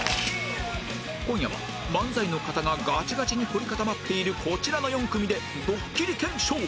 今夜は漫才の型がガチガチに凝り固まっているこちらの４組でドッキリ検証